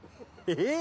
えっ？